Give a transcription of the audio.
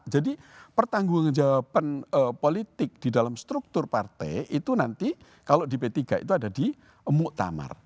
jadi pertanggung jawaban politik di dalam struktur partai itu nanti kalau di p tiga itu ada di muktamar